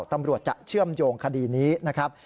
ตำรวจจะเชื่อมโยงคดีนี้นะครับ